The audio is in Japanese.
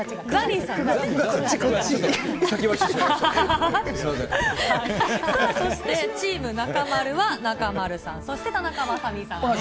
さあそして、チーム中丸は中丸さん、そして田中雅美さんです。